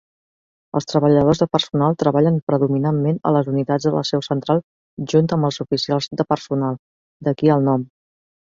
Els treballadors de personal treballen predominantment a les unitats de la seu central junt amb els oficials de personal, d'aquí el nom.